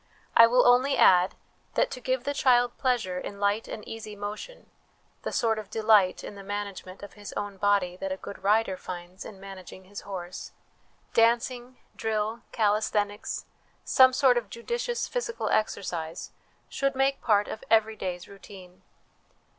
I will only add, that to give the child pleasure in light and easy motion the sort of delight in the manage ment of his own body that a good rider finds in managing his horse dancing, drill, calisthenics, some sort of judicious physical exercise, should make part of every day's routine.